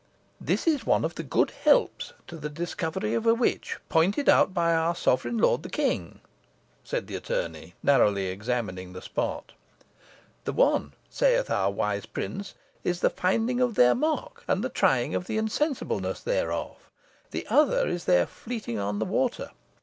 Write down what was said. "This is one of the 'good helps' to the discovery of a witch, pointed out by our sovereign lord the king," said the attorney, narrowly examining the spot. "'The one,' saith our wise prince, 'is the finding of their mark, and the trying the insensibleness thereof. The other is their fleeting on the water.'